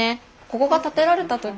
ここが建てられた時